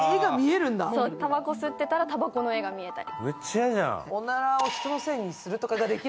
たばこ吸ってたら、たばこの絵が見えたり。